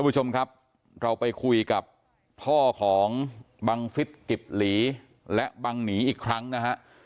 คุณผู้ชมครับเราไปคุยกับพ่อของบังฟิศกิบหลีและบังหนีอีกครั้งนะฮะ